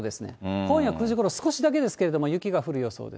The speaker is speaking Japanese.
今夜９時ごろ、少しだけですけれども、雪が降る予想です。